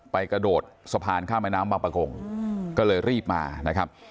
กระโดดสะพานข้ามแม่น้ำบางประกงก็เลยรีบมานะครับ